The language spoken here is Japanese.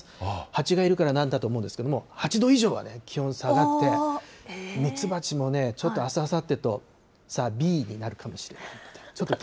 ハチがいるからなんだと思いますけれども、８度以上は気温下がって、ミツバチもちょっとあすあさってと、さびーになるかもしれない。